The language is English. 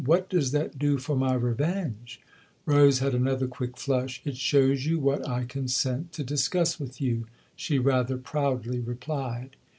" What does that do for my revenge ?" Rose had another quick flush. " It shows you what I consent to discuss with you," she rather proudly replied.